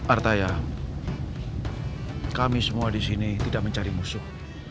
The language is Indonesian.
artaya kami semua disini tidak mencari musuh